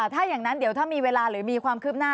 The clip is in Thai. ถ้าอย่างนั้นเดี๋ยวถ้ามีเวลาหรือมีความคืบหน้า